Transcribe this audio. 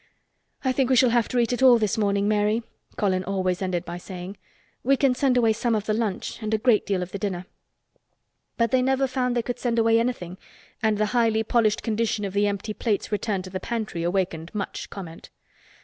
"I think we shall have to eat it all this morning, Mary," Colin always ended by saying. "We can send away some of the lunch and a great deal of the dinner." But they never found they could send away anything and the highly polished condition of the empty plates returned to the pantry awakened much comment.